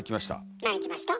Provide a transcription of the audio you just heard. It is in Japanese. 何きました？